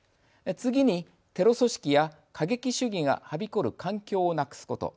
次に、テロ組織や過激主義がはびこる環境をなくすこと。